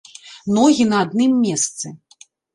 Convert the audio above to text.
Ногі на адным месцы.